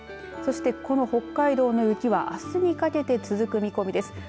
そして、この北海道の雪はあすにかけて続く見込みです。